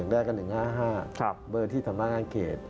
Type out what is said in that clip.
ได้ก็๑๕๕เบอร์ที่สำนักงานเขต